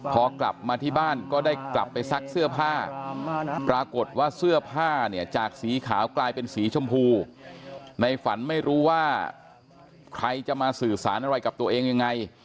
พอกลับมาที่บ้านก็ได้กลับไปซักเสื้อผ้าปรากฏว่าเสื้อผ้าเนี่ยจากสีขาวกลายเป็นสีชมพูในฝันไม่รู้ว่าใครจะมาสื่อสารอะไรกับตัวเองยังไง